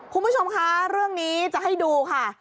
คุณผู้ชมคะเรื่องนี้จะให้ดูค่ะ